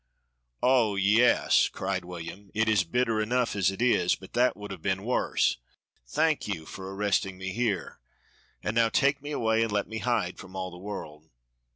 "Oh, yes!" cried William, "it is bitter enough as it is, but that would have been worse thank you for arresting me here and now take me away and let me hide from all the world."